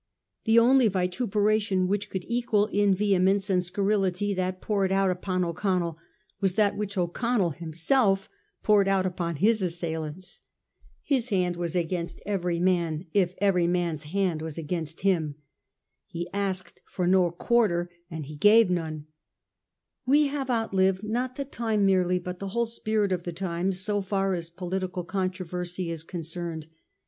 The only vituperation which could equal in vehemence and scurrility that poured out upon O'Connell was that which O'Connell himself poured out upon his assailants. His hand was against every man, if every 1843. .O'CONNELL AND HIS ENEMIES. 273 man's hand was against him. He asked for no quarter, and he gave none. "We have outlived, not the times merely hut the whole spirit of the times so far as political controversy is concerned.